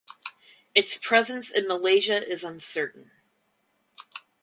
Its presence in Malaysia is uncertain.